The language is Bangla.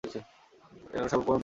এবার সব উপকরণ ব্লেন্ড করে নিন।